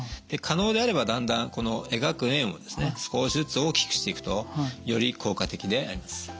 で可能であればだんだんこの描く円を少しずつ大きくしていくとより効果的であります。